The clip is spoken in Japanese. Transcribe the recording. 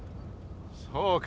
そうか！